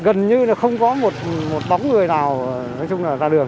gần như là không có một bóng người nào ra đường